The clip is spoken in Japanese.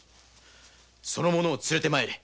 その者を連れて参れ。